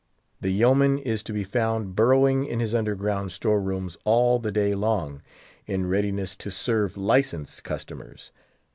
The Yeoman is to be found burrowing in his underground store rooms all the day long, in readiness to serve licensed customers.